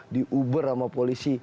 di uber sama polisi